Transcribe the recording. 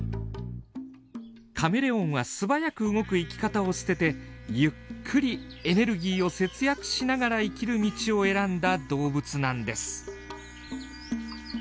カメレオンは素早く動く生き方を捨ててゆっくりエネルギーを節約しながら生きる道を選んだ動物なんです。